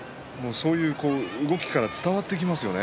そういう、動きから伝わってきますよね。